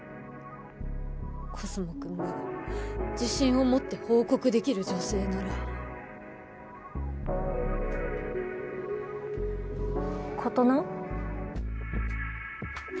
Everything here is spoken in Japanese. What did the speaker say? コスモくんが自信を持って報告できる女性なら琴乃？